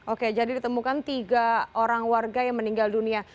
oke jadi ditemukan tiga orang warga yang meninggal dunia